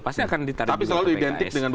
pasti akan ditarik tapi selalu identik dengan